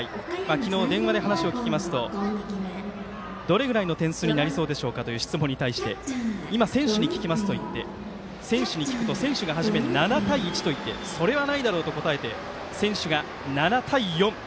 昨日、電話で話を聞きますとどれぐらいの点数になりそうでしょうか？という質問に対して今、選手に聞きますといって選手に聞くと選手が初め７対１と言ってそれはないだろうと答えて選手が７対４。